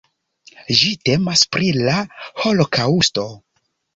Ĝi temas pri la Holokaŭsto.